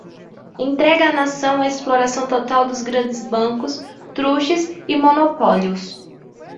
entrega a Nação à exploração total dos grandes bancos, trustes e monopólios